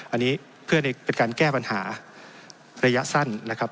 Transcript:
อันนี้เพื่อเป็นการแก้ปัญหาระยะสั้นนะครับ